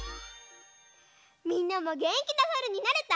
みんなもげんきなさるになれた？